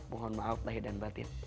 mohon maaf lahir dan batin